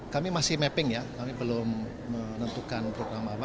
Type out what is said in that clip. kami masih mapping ya kami belum menentukan program apa